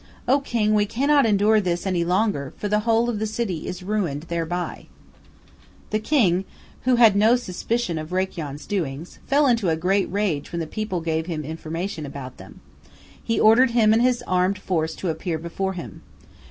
O king, we cannot endure this any longer, for the whole of the city is ruined thereby." The king, who had had no suspicion of Rakyon's doings, fell into a great rage when the people gave him information about them. He ordered him and his armed force to appear before him.